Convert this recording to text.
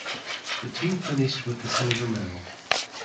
The team finished with the silver medal.